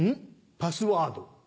パスワード。